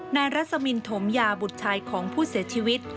รัศมินถมยาบุตรชายของผู้เสียชีวิต